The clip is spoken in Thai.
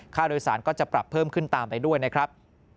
ค่าโดยสารก็จะปรับเพิ่มขึ้นตามไปด้วยนะครับ